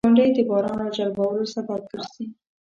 • غونډۍ د باران راجلبولو سبب ګرځي.